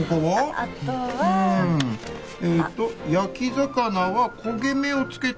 あとはえーっと「焼き魚は焦げ目をつけて」